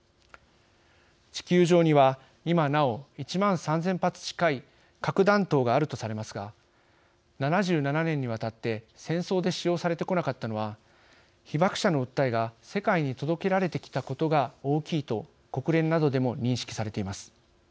地球上には今なお１万３０００発近い核弾頭があるとされますが７７年にわたって戦争で使用されてこなかったのは被爆者の訴えが世界に届けられてきたことが大きいと国連などでも認識されています。